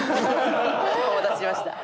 お待たせしました。